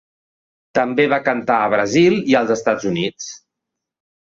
També va cantar a Brasil i als Estats Units.